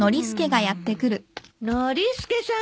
ノリスケさん